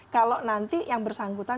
kalau nanti yang bersangkutan